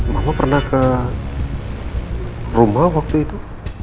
bapak pernah ke rumah waktu itu